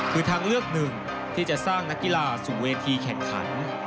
คือทางเลือกหนึ่งที่จะสร้างนักกีฬาสู่เวทีแข่งขัน